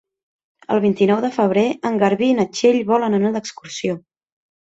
El vint-i-nou de febrer en Garbí i na Txell volen anar d'excursió.